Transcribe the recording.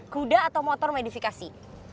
kuda atau motor modifikasi